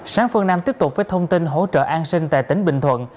sáng phần năm tiếp tục với thông tin hỗ trợ an sinh tại tỉnh bình thuận